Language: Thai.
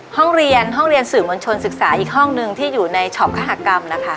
ห้องเรียนห้องเรียนสื่อมวลชนศึกษาอีกห้องหนึ่งที่อยู่ในช็อปคกรรมนะคะ